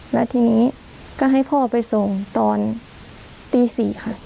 แล้วทีนี้ก็ให้พ่อไปส่งตอนตี๔ค่ะ